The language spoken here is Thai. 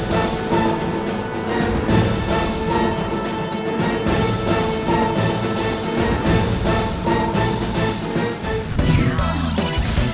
อย่าลืมเชียร์ทีม